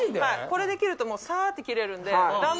これで切るとサーッて切れるんで。